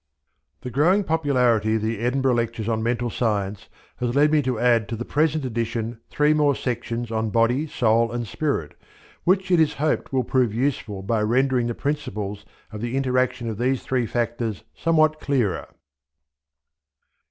_The growing popularity of the Edinburgh Lectures on Mental Science has led me to add to the present edition three more sections on Body, Soul, and Spirit, which it is hoped will prove useful by rendering the principles of the interaction of these three factors somewhat clearer_.